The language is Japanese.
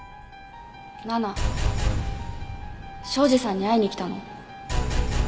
奈々庄司さんに会いに来たの？